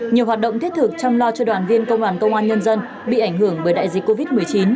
nhiều hoạt động thiết thực chăm lo cho đoàn viên công đoàn công an nhân dân bị ảnh hưởng bởi đại dịch covid một mươi chín